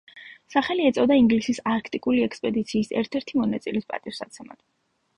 სახელი ეწოდა ინგლისის არქტიკული ექსპედიციის ერთ-ერთი მონაწილის პატივსაცემად.